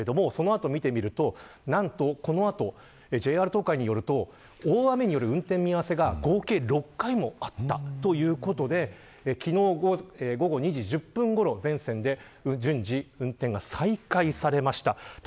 それほど影響がないかと思ったんですけれどもその後を見てみると、なんとこの後ＪＲ東海によると大雨による運転見合わせが合計６回もあったということで昨日、午後２時１０分ごろ全線で順次運転が再開されました。